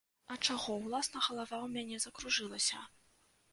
Ад чаго, уласна, галава ў мяне закружылася?